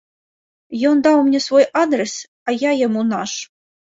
Ён даў мне свой адрас, а я яму наш.